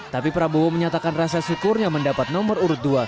tapi prabowo menyatakan rasa syukurnya mendapat nomor urut dua